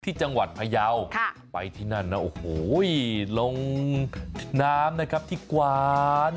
ที่จังหวัดพยาวไปที่นั่นนะโอ้โหลงน้ำนะครับที่กวาน